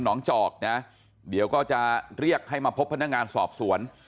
น้องจอกนะเดี๋ยวก็จะเรียกให้มาพบพนักงานสอบสวน